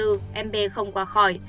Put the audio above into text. em b không qua khỏi